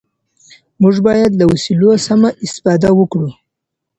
موږ بايد له وسيلو سمه استفاده وکړو.